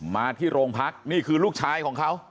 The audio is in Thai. มาที่โรงพักนี่คือลูกชายของเขา